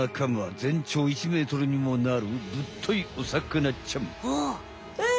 全長１ｍにもなるぶっといおさかなちゃん。